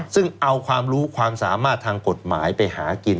ซึ่งเอาความรู้ความสามารถทางกฎหมายไปหากิน